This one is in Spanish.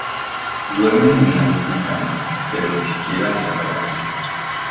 Duermen en la misma cama, pero ni siquiera se abrazan.